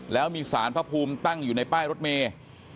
แล้วมีสารพระภูมิตั้งอยู่ในป้ายรถเมย์